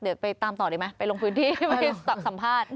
เดี๋ยวไปตามต่อดีไหมไปลงพื้นที่ไปสัมภาษณ์